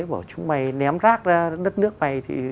bảo chúng mày ném rác ra đất nước mày